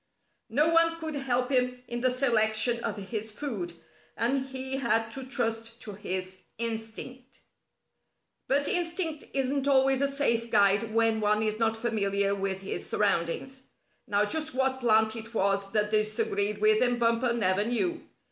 No one could help him in the selection of his food, and he had to trust to his instinct. But instinct isn't always a safe guide when one is not familiar with his surroundings. Now just what plant it was that disagreed with him Bumper never knew.